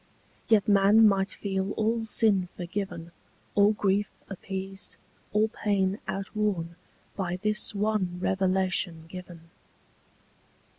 Yet man might feel all sin forgiven, All grief appeased, all pain outworn, By this one revelation given.